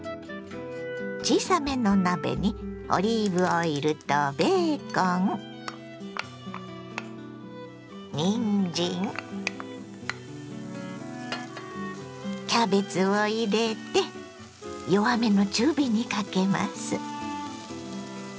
小さめの鍋にオリーブオイルとベーコンにんじんキャベツを入れて弱めの中火にかけます。